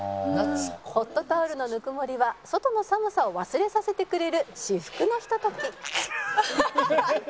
「ホットタオルのぬくもりは外の寒さを忘れさせてくれる至福のひと時」